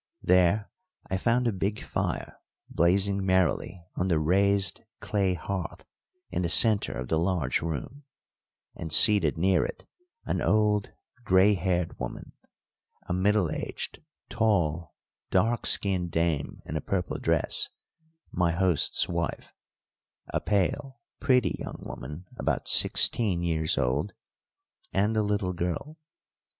There I found a big fire blazing merrily on the raised clay hearth in the centre of the large room, and seated near it an old grey haired woman, a middle aged, tall, dark skinned dame in a purple dress my host's wife; a pale, pretty young woman, about sixteen years old, and a little girl.